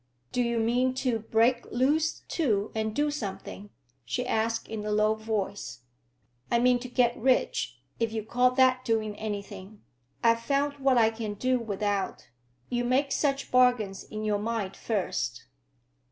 "Do you mean to break loose, too, and—do something?" she asked in a low voice. "I mean to get rich, if you call that doing anything. I've found what I can do without. You make such bargains in your mind, first."